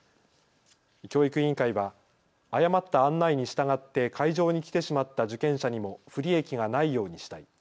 教育委員会は誤った案内に従って会場に来てしまった受験者にも不利益がないようにしたい。